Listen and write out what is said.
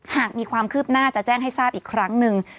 หากมีความคืบหน้าจะแจ้งให้ทราบอีกครั้งหนึ่ง